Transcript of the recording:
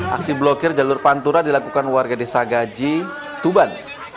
aksi blokir jalur pantura dilakukan warga desa gaji tuban